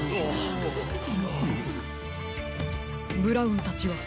ブラウンたちは？